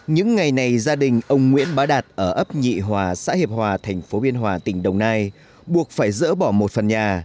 những ngày này gia đình ông nguyễn bá đạt ở ấp nhị hòa xã hiệp hòa thành phố biên hòa tỉnh đồng nai buộc phải dỡ bỏ một phần nhà